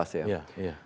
ada sindikat yang berkata